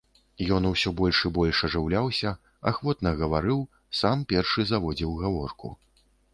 Ён усё больш і больш ажыўляўся, ахвотна гаварыў, сам першы заводзіў гаворку.